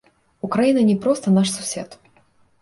Украіна не проста наш сусед.